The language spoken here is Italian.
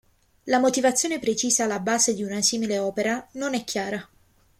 La motivazione precisa alla base di una simile opera non è chiara.